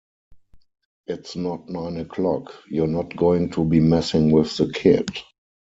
It's not nine o'clock... You're not goin' to be messin' with the kid'.